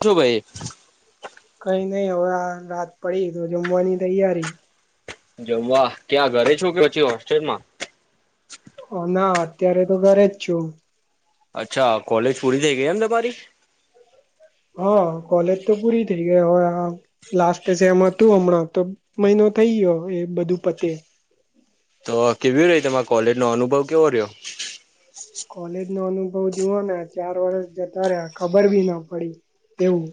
છો ભાઈ કઈ નઈ હવે આ રાત પડી, તો જમવાની તૈયારી. જવા ક્યાં ઘરે છોકે, પછી હોસ્ટેલ માં? હો ના અત્યારે તો ઘરે જ છું. અચ્છા કોલેજ પૂરી થઈ ગઈ એમ તમારી? હા કોલેજ તો પૂરી થઇ ગઈ, હવે આ લાસ્ટ સેમ હતું હમણાં તો મહિનો થઈ ગયો એ બધું પતે તો કેવી રહી, તમારે કોલેજ નો અનુભવ કેવો રહ્યો? કોલેજ નો અનુભવ જુઓ ને ચાર વર્ષ જતા રહ્યા, ખબર બી ના પડી એવું.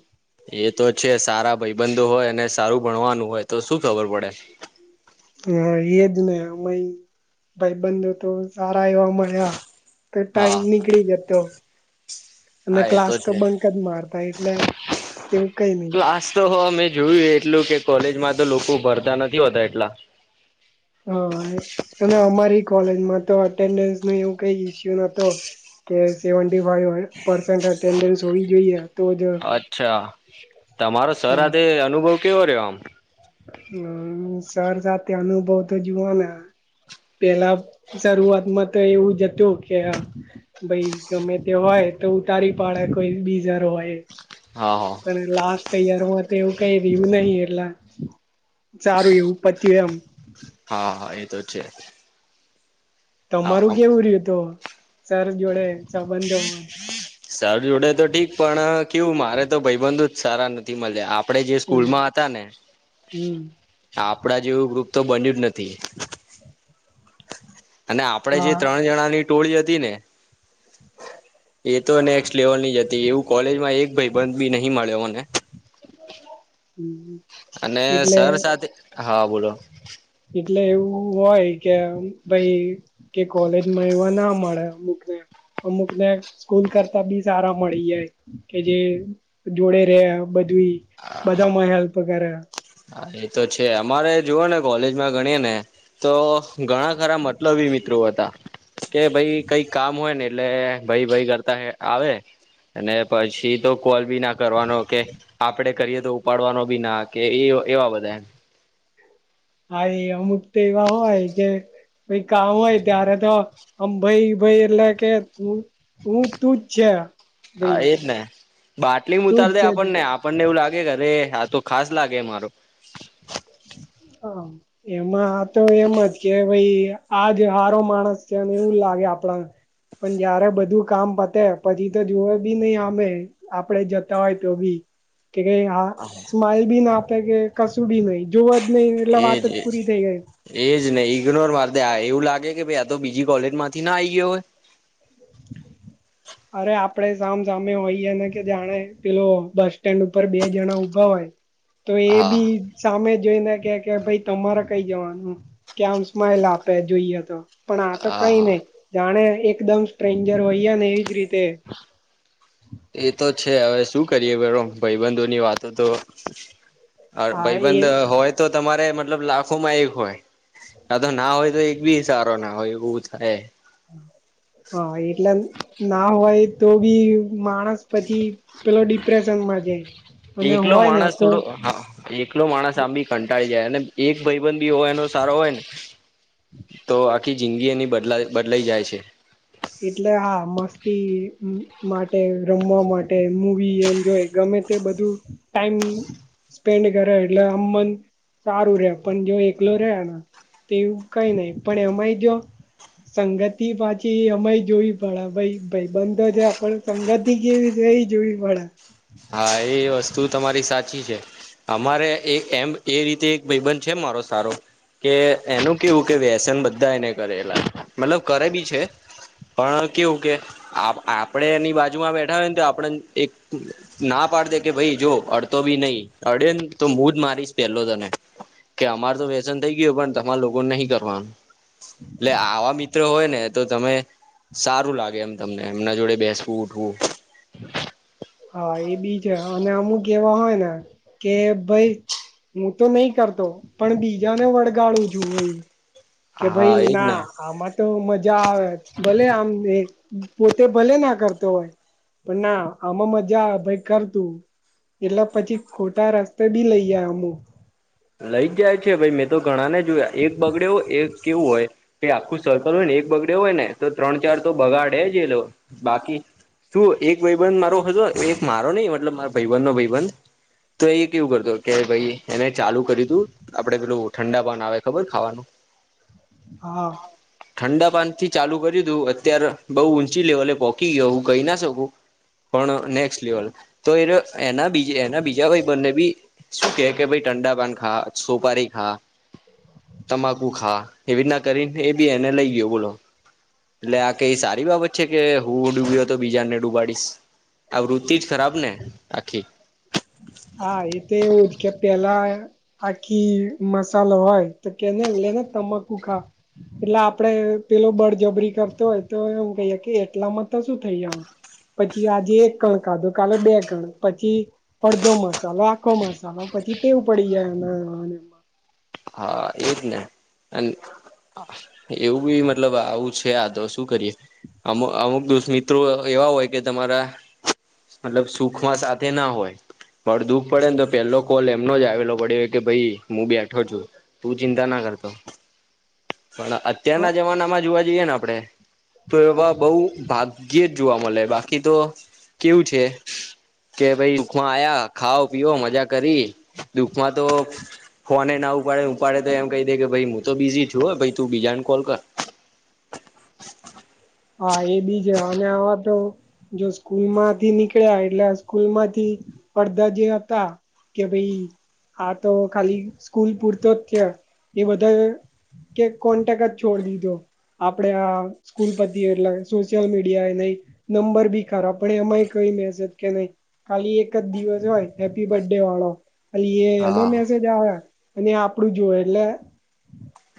એ તો છે સારા ભાઈબંધો હોય, અને સારું ભણવાનું હોય તો શું ખબર પડે. હા એજ ને મઈ ભાઈબંધ તો સારા એવા મળ્યા. તો હા ટાઈમ નીકળી જતો, અને હા એ ક્લાસ તો છે બંકજ માર તા એટલે એવું કઈ નહિ આાસતો મે જોયું એટલુંકે કોલેજમાં તો લોકો ભરતા નથી હોતા એટલા. હને અને અમારી કોલેજમાં તો અટેન્ડન્સ નુ એવું કઈ ઈસ્યુ નતો કે સેવંતી ફાઈવ પાસેંટ અટેન્ડન્સ હોવી જોઈએ. તો જ અચ્છા, તમારો સર હાથે અનુભવ કેવો રહ્યો આમ? હમ્મ હમ સર સાથે અનુભવ તો જુઓને પેલા શરૂઆતમાં તો એવું જ હતું કે ભાઈ ગમેતે હોય તો ઉતારી પાડે કોઈ બીજર હોય હા હ પણ લાસ્ટ ઈયર માતો એવું કઈ રહ્યું નહી, એટલા સારું એવું પત્યું એમ. હા હા એ તો છે. તમારું હા કેવું રહ્યુંતો સર જોડે સંબંધ ધવન? સાાર જોડે તો ઠીક, પણ કેવું મારે તો ભાઈબંધુ જ સારા નથી મળ્યા, આપ પડે જે હમ સ્કૂલમાં હતા ને, હમ આપડા જેવું ગ્રુપ તો બન્યુંજ નથી. અને આપણેે જે હા ત્રણ જણાની ટોળી હતી ને એ તો નેક્સ્ટ લેવલ નીજ હતી, એવું કોલેજમાં એક ભાઈ બંધ બી નહી મળ્યો મને. [inaudible] અને એટલે સર સાથે હા બોલો એટલે એવું હોય કે અમ ભાઈ કે કોલેજમાં એવા ના મળે અમુક ને. અમુક ને સ્કૂલ કરતા બી સારા મળી જાય કે જે જોડે રહે બધીઇ બધામાં હેલ્પ કરે હા એ તો છે અમારે જુઓ ને કોલેજમાં ગણીએ ને તો ઘણા ખરા મતલબી મિત્રો હતા. કે ભાઈ કઈક કામ હોય ને એટલે ભાઈ ભાઈ કરતા આવે. અને પછી તો કોલ બી ના કરવાનો કે આપડે કરીએ તો ઉપાડવાનો બી ના કે એવા બધા હ અમુક તો એવા હોય કે ભ કામ હોય ત્યારે તો આમ ભાઈ ભાઈ એટલે કે હું હું તુંજ છે હા એ જ ને બાટલી તું ઉતારી જ દે છે તું આપણને આપણને એવું લાગે કે અરે આ તો ખાસ લાગે મારો [inaudible] એમાં આ તો એમ જ કે ભાઈ આજ સારો માણસ છેને એવું લાગે આપણા પણ જયારે બધું કામ પતે પછી તો જોુવે બી નઈિ અમે આપડે જતા હોય તો ભી કેા સ્માઈલ બી ના આપે કે કશું બી નઈ જોવા જ નહીિ એટલે વાત એજ જ એજ પૂરી થઈ ગઈ એજ નહ ઈગ્નોર માર દે એવું લાગે કે ભાઈ આ તો બીજી કોલેજ માંથી ના આ આવી ગયો હોય [inaudible] અરે આપડે સામ સામે હોઈએ ને કે જાણે પેલો બસ સ્ટેન્ડ ઉપર બે જણા ઉઊભા હોય તો એ હા ભી સામે જોઈને કે કે ભાઈ તમારે કઈ જવાનું કે આમ સ્માઈલ આપે જોઈએ તો પણ આ તો હા કઈ હા નહી જાણે એકદમ સ્ટ્રેન્જર હોઈયા ને એવીજ રીતે [inaudible] એ તો છે હવે શું કરીએ ભાઈબંધો ની વાતો તો હા એ ભાઈબંધ હોય તો તમારે મતલબ લાખોમાં એક હોય કા તો ના હોય તો એક બી સારો ના હોય એવું થાય હા એટલેમ ના હોય તો બી માણસ પછી પેલો ડિપ્રેશનમાં જાય અને એકલો હોય ને માણસ તો થોડો એકલો માણસ આંબી કંટાળી જાય અને એક ભાઈબંધ બી હોય એનો સારો હોય ને તો આખી જિંદગી એની બદલા બદલાઈ જાય છે એટલે હા મસ્તી માટે રમવા માટે મૂવી એન્ જોય ગમે તે બધું ટાઈમ સ્પેન્ડ કરે એટલે આમ મન સારું રે પણ જો એકલો રેને તેવું કઈ નહી પણ એમાંય જો સંગતિ પાછી સમય જોવી પડા ભાઈ ભાઈ બંધો છે આપડ સંગત કેવી ર જોવી પડા હા એ વસ્તુ તમારી સાચી છે અમારે એમ એ રીતે એક ભાઈબંધ છે મારો સારો કે એનું કેવું કે વ્યસન બધા એને કરેલા મતલબ કરે બી છે પણ કેવું કે આપડે એની બાજુમાં બેઠા હોય ને તો આપડ એક ના પાડ દે કે ભાઈ જો અડતો બી નહી અડે ને તો મુુંજ મારીશ પેલો તને કે અમાર તો વ્યસન થઈ ગયું પણ તમા લોકોને નહી કરવાનું એટલે આવા મિત હોય ને તો તમે સારું લાગે એમ તમને એમના જોડે બેસવું ઉઠવું હા એ બી છે અને અમુક એવા હોય ને કે ભાઈ હું તો નહી કરતો પણ બીજાને વળગાડું છું ભાઈ કે હા ભાઈ એજ ના ને આમાં તો મજા આવે ભલે આમ પોતે ભલે ના કરતો હોય પણ ના આમાં મજા ભાઈ કર તું એટલે પછી ખોટા રસ્તે બી લઈ જાય આમુ લઈ જાય છે ભાઈ મેં તો ઘણા ને જોયા એક બગડ્યો હોય એક કેવું હોય કે આખું સર્કલ હોય ને એક બગડ હોય ને તો ત્રણ ચાર તો બગાડે જ એ લોકો બાકી શું એક ભાઈબંધ મારો હતો એક મારો નહી મતલબ મા ભાઈબંધ નો ભાઈબંધ તો એ કેવું કરતો કે ભાઈ એને ચાલુ કરી દું આપડે પેલું ઠંડા પન આવે ખબર ખાવાનું હા ઠંડા પાન થી ચાલુ કર્યું તું અત્યારે બઉ ઊંચી લેવલે પોકી ગયો હું કહી ના શકું. પણ નેક્સ્ટ લેવલ તો એ એના બી એના બીજા કોઈ બંને બી કે કે ભાઈ ઠંડાપન ખા સપારી ખા તમાકુ ખા એવીતના કરીને એ બી એને લઈ ગયો બોલો. એટલે આ ક એ સારી બાબત છે કે હું ડૂબ્યો હતો બીજાને ડૂબાડીશ આ વૃત્તિ જ ખરાબ ને આખી. હા એ તો એવું જ કે પેલા આખી મસાલો હોય તો કેને લેને તમાકુ ખા એટલે આપડે પેલો બળજબરી કરતો હોય તો એમ કહીએ કે એટલામાં તો શું થઈ જ પછી આજે એક કણ ખાધો કાલે બે કણ પછી. બધો મસાલો આખો મસાલો પછી ટેવું પડી જાય. હા એજને અ એવું બી મતલબ આવું છે આ તો શું કરીએ. અમુક અમુક દસ્ મિત્રો એવા હોય કે તમારા. મતલબ સુખમાં સાથે ના હોય માર દુઃખ પડે ને તો પેહેલો કોલ એમનો જ આવેલો પડ્યો કે ભાઈ હું બે છ તું ચિંતા ના કરતો પણ અત્યારના હા જમાનામાં જોવા જઈએ ને આપડણે તો એવા બઉ ભાગ્યે જ જોવા મળે બાકી તો કેવું છે કે ભ દુખમાં આયા ખાઓ પીઓ મજા કરી દુખમાં તો. ફને ના ઉપાડે ઉપાડે તો એમ કહી દે કે ભાઈ હું તો બીઝી છું હોય ભાઈ તું બીજાને કોલ કર. [unintelligible] હા એ બી છે અને આવા તો જો સ્કૂલ માંથી નીકળ્યા એટલે સ્કૂલ માંથી પડધા જે હતા. કે ભાઈ આ તો ખાલી સ્કૂલ પૂરતો જ થયા એ બધા કે કોન્ટેક જ છોડ દીધો આપડે આ સ્કૂલ પ એટ સોશિયલ મીડિયા નહી નંબર બી ખરાબ પણ એમાંય કઈ મેસેજ કે નહી. ખાલી એક જ દિવસ હોય હેપ્પી બર્થ ડે વાળો અ એ એનો હા મેસેજ આવે અને આપડું જોય એટલે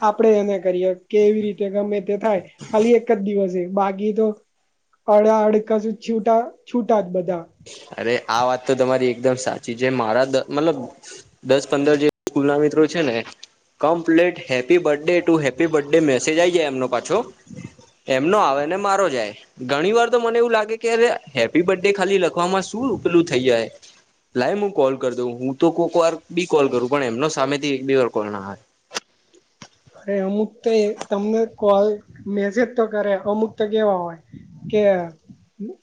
આપડે એને કરીએે કે એવી રીતે ગમે તે થાય ખાલી એક જ દિવસ બાકી તો અડા અડકા સુ છૂટા છૂટા જ બધા અરે આ વાત તો તમારી એકદમ સાચી છે મારા મતલબ દસ પંદર જે સ્કૂલ ના મિત્રો છે ને complete happy birthday to happy birthday message આ આવી જાય એમનો પાછો એમનો આવે ને મારો જાય ઘણી વાર તો મને એવું લાગે કે અરે હેપી બર્થ ડે ખાલી લખ લખવા માં શું ઉપલું થઈ જાય લાય હું કોલ કરી દઉં હું તો કોઈક વાર બી કોલ કરું પણ એમનો સામેથી એક બે વાર કોલ ના હોય અરે અમુક તો એ તમને કોલ મેસેજ તો કરે અમુક તો કેવા હોય કે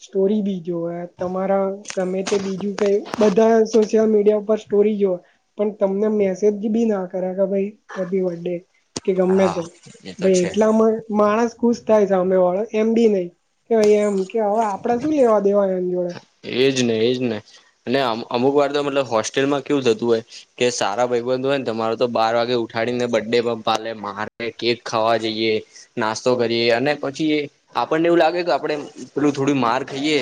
સ્ટોરી બી જો તમારા ગમે તે બીજું કઈ બધા સોશિયલ મીડિયા ઉપર સ્ટોરી જો. પણ તમને મેસેજ બી ના કર્યા કે ભાઈ એ બે કે ગમે તે હા એ તો ભાઈ છે એટલામાં માણસ ખુશ થાય છેમે વાળો એમ બી નહ કે ભ એમ કે હવે આપડા શું લેવા દેવા એની જોડે એજ ને એજ ને અને અમુક વાર તો મતલબ હોસ્ટેલમાં કેવું થતું હોય. કે સારા ભાઈબંધુ હોય ને તમારો તો બાર વાગે ઉઠાડીને બર્ડે પાલે મારે કેક ખાવા જઈએ. નાસ્તો કરીએ અને પછી આપણને એવું લાગે કે આપણે પેલું થોડું માર ખાઈએ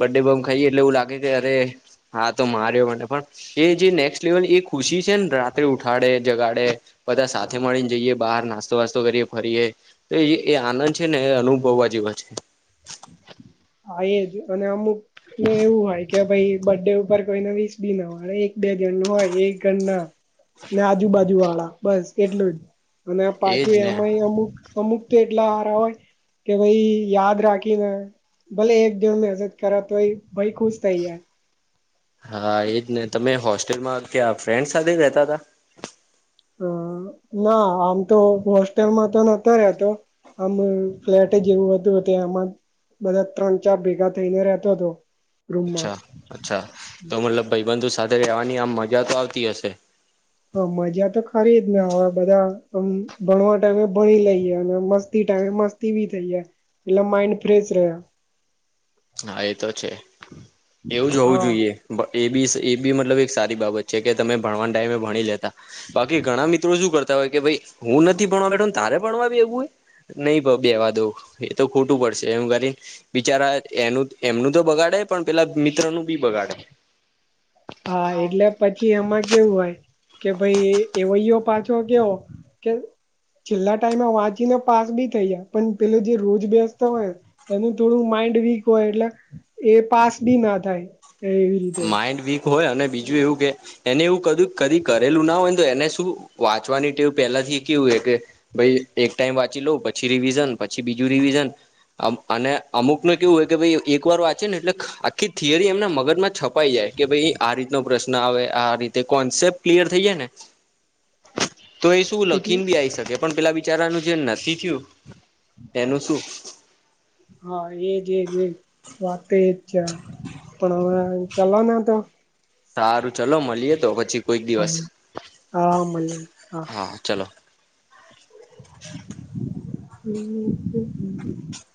બડે બંમ ખાઈએ એટલે એવું લાગે કે અરે હા તો માર્યો મને પણ. એ જે નેક્સ્ટ લેવલ એ ખુશી છે ને રાત્રે ઉઠાડે જગાડે બધા સાથે મળીને જઈએ બહાર નાસ્તો વાસ્તો કરીએ ફરીએ. તો એ આનંદ છે ને એ અનુભવવા જેવા છે. હા એ જ અને અમુક ને એવું હોય કે ભાઈ બર્થ ડે ઉપર કોઈને વીસ બી ન હોય એક બે જણ નું હોય, એક ગણ ના ને આજુબાજુ વાળા બસ એટલું જ અને પાછું એજ ને એમાંય અમુક અમુક તો એટલા હારા હોય કે ભાઈ યાદ રાખીને, ભલે એક જણ મેહેસેજ કર તોય ભાઈ ખુશ થઇ જ હા, એજ ને તમે હોસ્ટેલમાં ત્યાં ફ્રેન્ડ સાથે રહેતા હતા? હ ના આમ તો હોસ્ટેલમાં તો નહતો રહ્યાતો. આમ ફ્લેટ જેવું હતું, ત્યા આમાં બધા ત્રણ ચાર ભેગા થઈને રહેતો હતો, રૂમમાં અચ્છા અચ્છા તો મતલબ ભાઈબંધુ સાથે રહેવાની આમ મજા તો આવતી હશે. હ મજા તો ખરી જ ને હવે બધા આમ ભણવા ટાઈમે ભણી લઈએ, અને મસ્તી ટાઈમે મસ્તી વી થઈ જાય એટલે માઈન્ડ ફ્રેશ રહ્યા હા એ તો છે, એવું જ હોવું હા જોઈએ. એ બી એ બી મતલબ એક સારી બાબત છે, કે તમે ભણવાન ડાઈમે ભણી લેતા બાકી ઘણા મિત્રો શું કરતા હોય, કે ભાઈ હું નથી ભણવા બેઠ તારે ભણવા એવું હે. નહી ભ બેવા દો એ તો ખોટું પડશે એ કરી બિચારા એનું એમનું તો બગાડે પણ પેલા મિત્રનું બી બગાડે હા, એટલે પછી એમાં કેવું હોય કે ભાઈ એવયો પાછો. જો કેવ કે છેલ્લા ટાઈમ વાંચીને પાસ બી થઈ, જયા પણ પેલો જે રોજ બેસતો હોય ને એનું થોડું માઈન્ડ વીક હોય એટલે એ પાસ બી ના થાય. એવી રીતે માઇન્ડ વીક હોય, અને બીજું એવું કે એને એવું ક કદી કરેલું ના હોય, ને તો એને શું વાંચવાની ટેવ પહેલા થી કેવું હ કે ભાઈ એક ટાઈમ વાંચી લોઉ પછી રિવિઝન પછી બીજું રિવિઝન અને અમુક ન કેવું હોય કે ભાઈ એક વાર વાચે ને એટલે આખી થથીયરી એમના મગજમાં કપાઈ જાય કે ભાઈ આ રીતનો પ્રશ્ન આવે આ રીતે કોન્સેપ્ટ ક્લિયર થઈ જાય ને. તો એ શું એટલું લખીને બી આવીઈ શકે પણ પેલા બિચારાનું જે નથી થયું, એનું શું? હા, એજજજ વાત એજ છે, પણ હવે ચાલવા ના તો સારું ચલો મળીએ તો પછી કોઈક દિવસ હમ હા મળ્યું હા ચલો. [unintelligible]